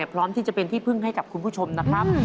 พร้อมที่จะเป็นที่พึ่งให้กับคุณผู้ชมนะครับ